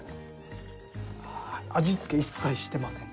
味付け一切してません。